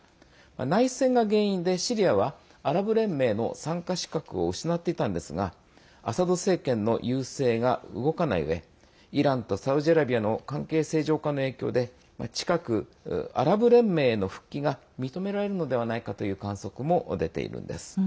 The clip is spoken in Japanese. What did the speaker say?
内戦が原因で、シリアはアラブ連盟の参加資格を失っていたんですがアサド政権の優勢が動かない上イランとサウジアラビアの関係正常化の影響で近く、アラブ連盟への復帰が認められるのではないかという観測も出ているんです。